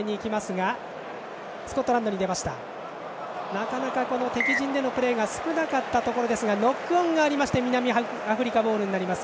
なかなか敵陣でのプレーが少なかったところですがノックオンがありまして南アフリカボールになります。